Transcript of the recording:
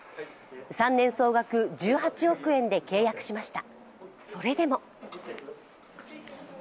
３年総額１８億円で契約しました。